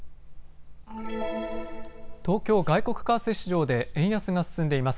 東京外国為替市場で円安が進んでいます。